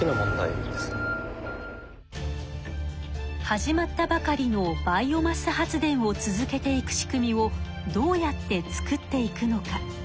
始まったばかりのバイオマス発電を続けていく仕組みをどうやって作っていくのか？